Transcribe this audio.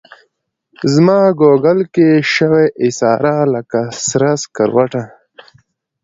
زماګوګل کي شوې ایساره لکه سره سکروټه